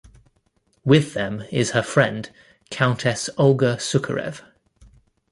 With them is her friend, Countess Olga Sukarev.